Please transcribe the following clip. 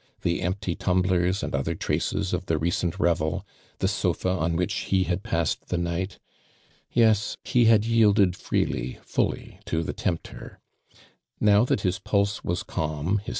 The empty tum blers and other traces of the recent revel — tho sofa on w..:ch he hp ' passed the night. Yes — he hiwl yioldeci freely, fully to the tempter I Now that his piilso was calm, his AKMAND DURAND.